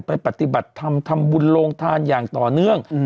ปฏิบัติธรรมทำบุญโรงทานอย่างต่อเนื่อง